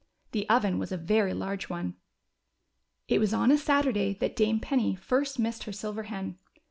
The oven was a very large one. It was on a Saturday that Dame Penny first missed her silver hen.